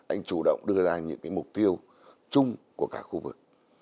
anh chủ động đưa ra những cái mục tiêu chung của cả khu vực